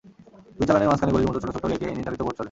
দুই দালানের মাঝখানে গলির মতো ছোট ছোট লেকে ইঞ্জিনচালিত বোট চলে।